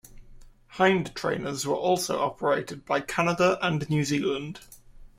Hind trainers were also operated by Canada and New Zealand.